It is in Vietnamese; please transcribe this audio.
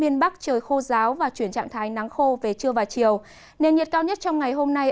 nên nhiệt cao nhất trong ngày hôm nay